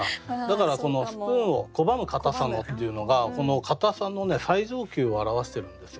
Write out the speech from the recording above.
だからこの「スプーンを拒む固さの」っていうのがこの固さのね最上級を表してるんですよ。